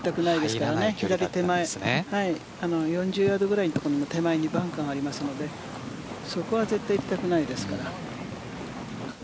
４０ヤードぐらいのところの手前にバンカーがありますのでそこは絶対に行きたくないですね。